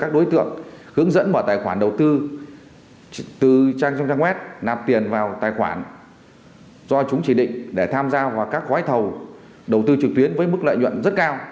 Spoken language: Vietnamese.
đối tượng đầu tư tài khoản này là ba sáu tỷ đồng